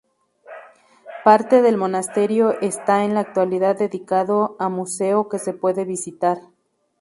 Parte del monasterio está en la actualidad dedicado a museo que se puede visitar.